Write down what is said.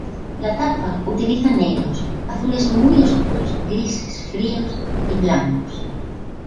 La tapa utiliza negros, azules muy oscuros, grises fríos y blancos.